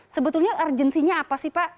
sebetulnya urgensinya apa sih pak